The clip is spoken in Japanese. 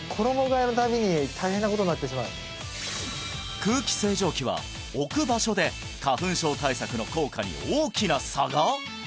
空気清浄機は置く場所で花粉症対策の効果に大きな差が？